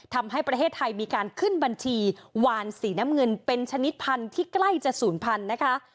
ทำให้ประเทศไทยมีการขึ้นบัญชีวานสีน้ำเงินเป็นชนิดพันธุ์ที่ใกล้จะศูนย์พันธุ์นะคะ